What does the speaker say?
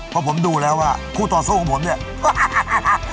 เพราะผมดูแล้วว่าคู่ต่อสู้ของผมเนี่ย